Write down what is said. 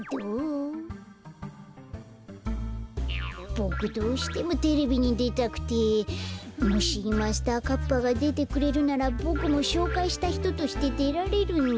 ボクどうしてもテレビにでたくて。もしマスターカッパがでてくれるならボクもしょうかいしたひととしてでられるんだ。